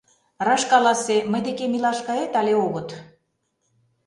Раш каласе: мый декем илаш кает але огыт?